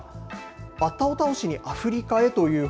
バッタを倒しにアフリカへという本。